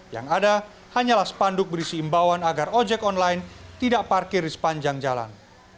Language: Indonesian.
yang ada hanyalah spanduk berisi imbauan agar ojek online tidak parkir di sepanjang jalan